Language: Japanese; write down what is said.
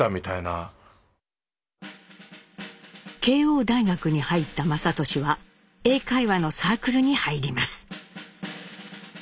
慶應大学に入った雅俊は英会話のサークルに入ります。